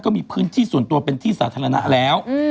ก็มีพื้นที่ส่วนตัวเป็นที่สาธารณะแล้ว